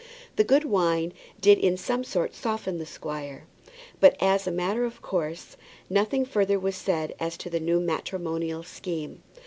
The good wine did in some sort soften the squire; but, as a matter of course, nothing further was said as to the new matrimonial scheme.